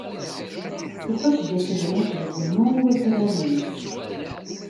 Iḥucc-d aslen akked wulmu i wakraren-is.